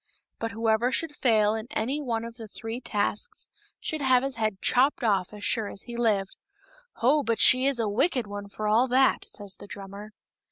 But whoever should fail in any one of the three tasks should have his head chopped ofif as sure as he lived. (" Ho ! but she is a wicked one for all that," says the drummer.)